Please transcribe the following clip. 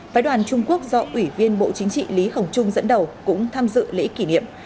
phái đoàn trung quốc do ủy viên bộ chính trị lý khổng trung dẫn đầu cũng tham dự lễ kỷ niệm